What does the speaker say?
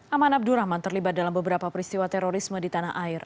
aman abdurrahman terlibat dalam beberapa peristiwa terorisme di tanah air